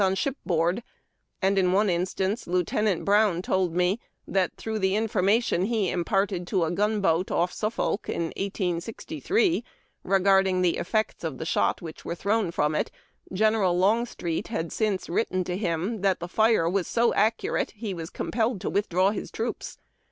403 on shipboard, and, in one instance, Lieutenant Brown told me tliat throngh the information he imparted to a gunboat off Suffolk, in 1863, regarding the effects of the shot which were thrown from it, General Longstreet had since written him that the fire was so accurate he was compelled to with draw liis troops.